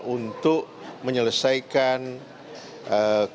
untuk menyelesaikan pandang